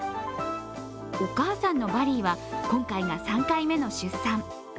お母さんのバリーは今回が３回目の出産。